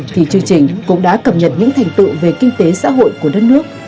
thì chương trình cũng đã cập nhật những thành tựu về kinh tế xã hội của đất nước